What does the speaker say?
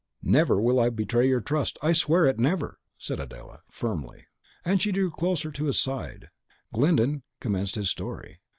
"Never will I betray your trust; I swear it, never!" said Adela, firmly; and she drew closer to his side. Then Glyndon commenced his story.